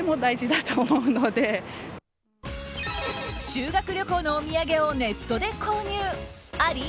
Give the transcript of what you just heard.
修学旅行のお土産をネットで購入あり？